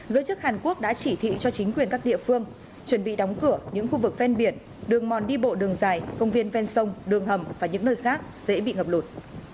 giới chức hàn quốc đã chỉ thị cho chính quyền các địa phương chuẩn bị đóng cửa những khu vực ven biển đường mòn đi bộ đường dài công viên ven sông đường hầm và những nơi khác sẽ bị ngập lụt